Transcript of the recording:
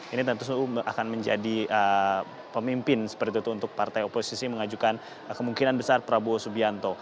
ini tentu akan menjadi pemimpin seperti itu untuk partai oposisi mengajukan kemungkinan besar prabowo subianto